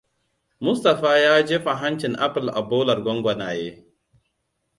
Mustapha ya jefa hancin apple a bolar gwangwanaye.